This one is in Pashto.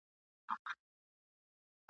د دوی د پیدایښت سره تړلې ده ..